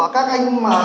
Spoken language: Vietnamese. các anh mà